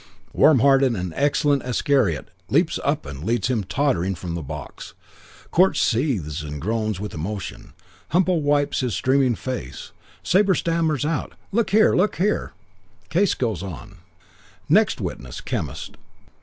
"Warm hearted and excellent Iscariot leaps up and leads him tottering from the box; court seethes and groans with emotion; Humpo wipes his streaming face, Sabre stammers out, 'Look here Look here ' Case goes on." IV "Next witness. Chemist.